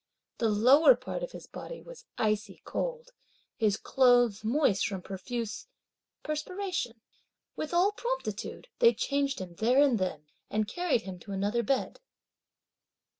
The lower part of his body was icy cold; his clothes moist from profuse perspiration. With all promptitude they changed him there and then, and carried him to another bed.